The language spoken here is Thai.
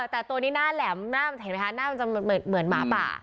แต่ตัวนี้หน้าแหลมหน้ามันเห็นไหมคะหน้ามันจะเหมือนหมาป่า